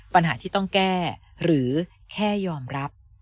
ปัญหาที่ต้องแก้หรือแค่ยอมรับ